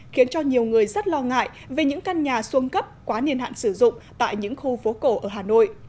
khiến cho nhiều người rất lo ngại về những căn nhà xuân cấp quá niên hạn sử dụng tại những khu phố cổ ở hà nội